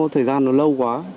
thời gian nó lâu quá